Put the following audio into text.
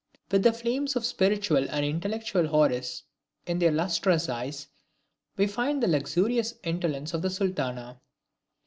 With the flames of spiritual and intellectual Houris in their lustrous eyes, we find the luxurious indolence of the Sultana.